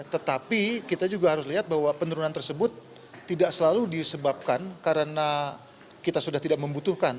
tetapi kita juga harus lihat bahwa penurunan tersebut tidak selalu disebabkan karena kita sudah tidak membutuhkan